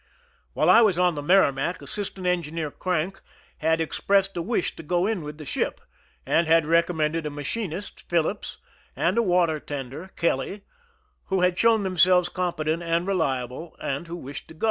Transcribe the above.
While I was on the Merrimac^ Assistant Engineer Crank had expressed a wish to go in with the ship, and had recommended a machinist, Phillips, and a water tender, Kelly, who had shown themselves competent and reliable, and who wished to go.